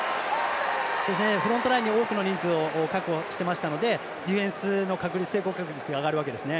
フロントラインに多くの人数を確保していましたのでディフェンスの成功確率が上がるわけですね。